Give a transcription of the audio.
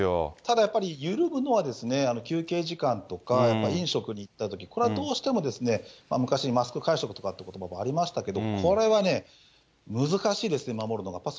ただやっぱり、緩むのは休憩時間とか、やっぱり飲食に行ったとき、これはどうしても昔、マスク会食とかってことばありましたけれども、これはね、難しいですね、守るのが。